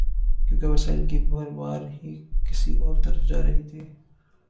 کیونکہ وسائل کی بھرمار ہی کسی اور طرف جا رہی تھی۔